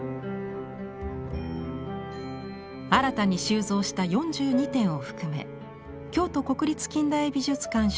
新たに収蔵した４２点を含め京都国立近代美術館